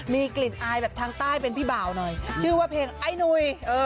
มีกลิ่นอายแบบทางใต้เป็นพี่บ่าวหน่อยชื่อว่าเพลงไอ้นุ่ย